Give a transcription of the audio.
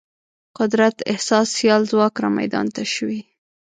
قدرت احساس سیال ځواک رامیدان ته شوی.